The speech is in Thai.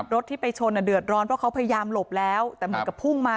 รถที่ไปชนอ่ะเดือดร้อนเพราะเขาพยายามหลบแล้วแต่เหมือนกับพุ่งมา